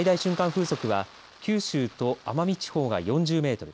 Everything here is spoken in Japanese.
風速は九州と奄美地方が４０メートル